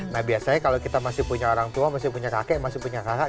nah biasanya kalau kita masih punya orang tua masih punya kakek masih punya kakak